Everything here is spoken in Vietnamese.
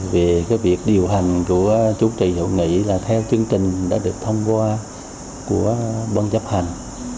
về việc điều hành của chủ trì hội nghị là theo chương trình đã được thông qua của bán chấp hành